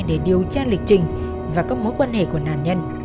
để điều tra lịch trình và các mối quan hệ của nạn nhân